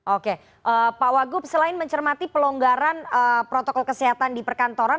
oke pak wagub selain mencermati pelonggaran protokol kesehatan di perkantoran